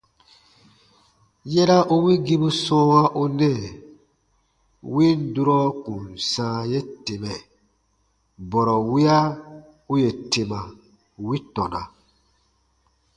Yera u wigibu sɔ̃ɔwa u nɛɛ win durɔ kùn sãa ye temɛ, bɔrɔ wiya u yè tema wi tɔna.